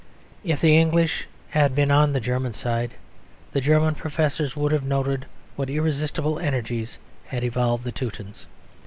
If the English had been on the German side, the German professors would have noted what irresistible energies had evolved the Teutons.